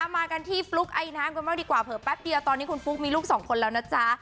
มากันที่ฟลุ๊กไอน้ำกันบ้างดีกว่าเผลอแป๊บเดียวตอนนี้คุณฟุ๊กมีลูกสองคนแล้วนะจ๊ะ